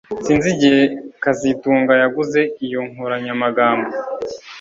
Sinzi igihe kazitunga yaguze iyo nkoranyamagambo